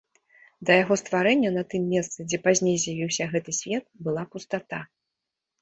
Да яго стварэння на тым месцы, дзе пазней з'явіўся гэты свет, была пустата.